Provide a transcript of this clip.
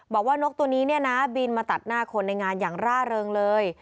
บอกว่านกตัวนี้นะบินมาตัดหน้าคนในงานอย่างร่าเริงเลย